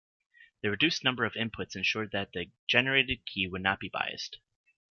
The reduced number of inputs ensured that the generated key would not be biased.